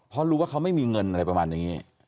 เพราะรู้ว่าเขาไม่มีเงินอะไรประมาณอย่างนี้